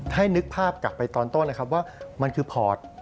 นึกภาพกลับไปตอนต้นนะครับว่ามันคือพอร์ต